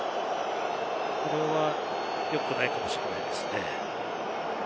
これはよくないかもしれないですね。